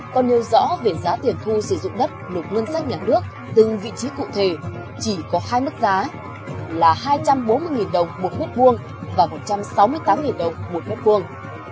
còn nêu rõ về giá tiền thu sử dụng đất nộp ngân sách nhà nước từng vị trí cụ thể chỉ có hai mức giá là hai trăm bốn mươi đồng một mét vuông và một trăm sáu mươi tám đồng một mét vuông